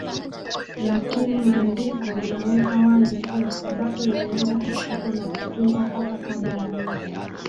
Lakini Maandiko yanaweka wazi kuwa Sabato ilianza kushikwa na kutunzwa hata kabla ya Mungu